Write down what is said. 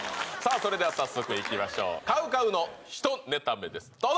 それでは早速いきましょうＣＯＷＣＯＷの１ネタ目ですどうぞ！